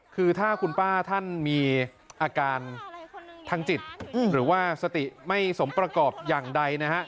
คือถ้าคุณป้าท่านมีอาการทางจิตหรือว่าสติไม่สมประกอบอย่างใดนะฮะ